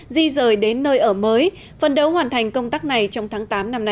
di rời đến nơi ở mới phần đấu hoàn thành công tác này trong tháng tám